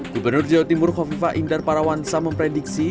gubernur jawa timur kofifa indar parawansa memprediksi